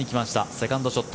セカンドショット。